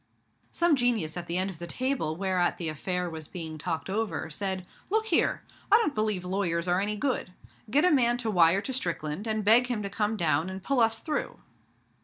Some genius at the end of the table whereat the affair was being talked over, said, 'Look here! I don't believe lawyers are any good. Get a man to wire to Strickland, and beg him to come down and pull us through.'